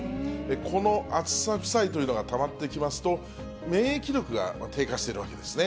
この暑さ負債というのがたまっていきますと、免疫力が低下しているわけですね。